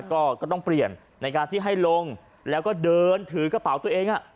ก็ก็ต้องเปลี่ยนในการที่ให้ลงแล้วก็เดินถือกระเป๋าตัวเอง